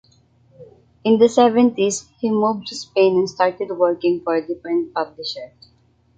In the seventies, he moved to Spain and started working for a different publisher.